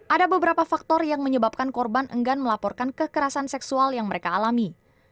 ada beberapa faktor yang menyebabkan korban enggan melaporkan kekerasan seksual yang mereka alami